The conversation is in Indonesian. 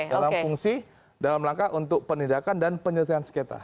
dalam fungsi dalam langkah untuk penindakan dan penyelesaian sengketa